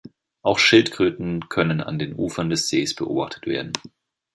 Auch Schildkröten können an den Ufern des Sees beobachtet werden.